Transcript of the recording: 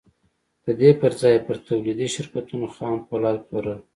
د دې پر ځای یې پر تولیدي شرکتونو خام پولاد پلورل